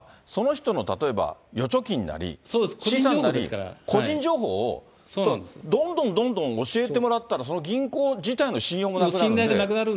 ただね、一般論としてね、やっぱ金融機関というのは、その人の例えば、預貯金なり、資産なり、個人情報を、どんどんどんどん教えてもらったら、その銀行自体の信用もなくなる。